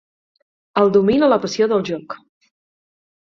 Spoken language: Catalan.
El domina la passió del joc.